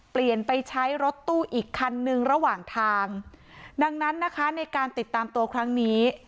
เปลี่ยนไปใช้รถตู้อีกคันนึงระหว่างทางดังนั้นนะคะในการติดตามตัวครั้งนี้